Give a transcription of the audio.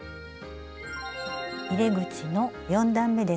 入れ口の４段めです。